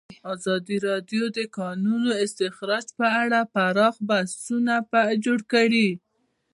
ازادي راډیو د د کانونو استخراج په اړه پراخ بحثونه جوړ کړي.